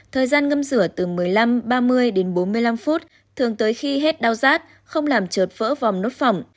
thời gian ngâm rửa từ một mươi năm ba mươi đến bốn mươi năm phút thường tới khi hết đau rát không làm trớt vỡ vòng nốt phỏng